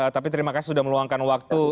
tapi terima kasih sudah meluangkan waktu